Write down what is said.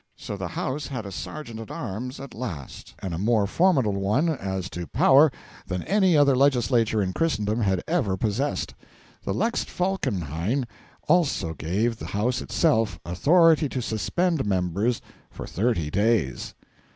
So the House had a sergeant at arms at last, and a more formidable one, as to power, than any other legislature in Christendom had ever possessed. The Lex Falkenhayn also gave the House itself authority to suspend members for thirty days.